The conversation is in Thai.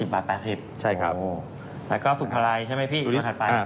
๑๐๘๐บาทโอ้โหแล้วก็สุภาลัยใช่ไหมพี่อีกว่าขัดไป